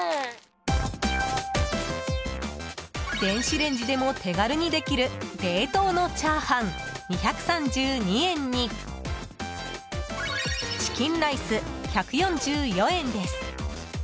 電子レンジでも手軽にできる冷凍のチャーハン、２３２円にチキンライス、１４４円です。